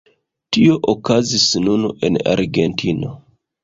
Tio okazis nun en Argentino.